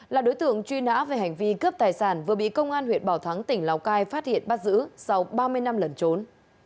là đối tượng truy nã về hành vi cướp tài sản vừa bị công an huyện bảo thắng tỉnh lào cai phát hiện bắt giữ sau ba mươi năm lẩn trốn